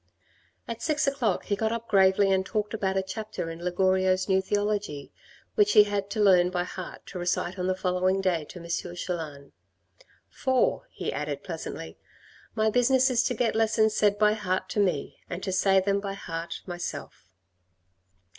As six o'clock struck he got up gravely and talked about a chapter in Ligorio's New Theology which he had to learn by heart to recite on the following day to M. Chelan, " for," he added pleasantly, " my business is to get lessons said by heart to me, and to say them by heart myself."